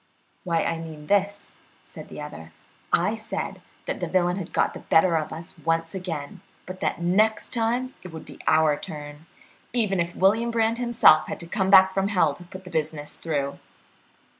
"Why, I mean this," said the other. "I said that the villain had got the better of us once again, but that next time it would be our turn, even if William Brand himself had to come back from hell to put the business through."